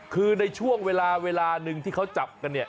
คือในช่วงเวลาเวลาหนึ่งที่เขาจับกันเนี่ย